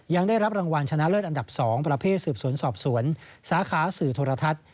ยังได้รับรางวัลชนะเลิศอันดับ๒ประเภทสืบสวนสอบสวนสาขาสื่อโทรทัศน์